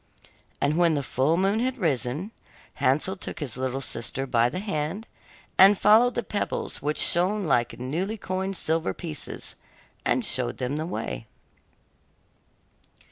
And when the full moon had risen, Hansel took his little sister by the hand, and followed the pebbles which shone like newly coined silver pieces, and showed them the way.